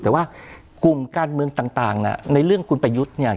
แต่ว่ากลุ่มการเมืองต่างในเรื่องคุณประยุทธ์เนี่ย